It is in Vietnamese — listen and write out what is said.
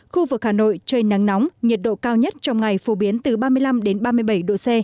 khu vực hà nội trời nắng nóng nhiệt độ cao nhất trong ngày phổ biến từ ba mươi năm ba mươi bảy độ c